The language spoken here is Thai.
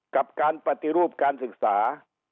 กับการปฏิรูปการศึกษา